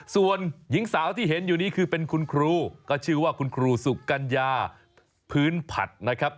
ส่วนหญิงสาวที่เห็นอยู่นี้คือเป็นคุณครูก็ชื่อว่าคุณครูสุกัญญาพื้นผัดนะครับ